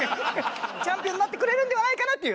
チャンピオンになってくれるんではないかなっていう。